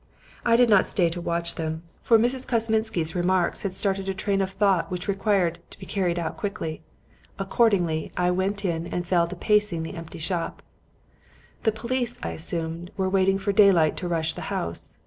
I did not stay to watch them, for Mrs. Kosminsky's remarks had started a train of thought which required to be carried out quickly. Accordingly I went in and fell to pacing the empty shop. "The police, I assumed, were waiting for daylight to rush the house.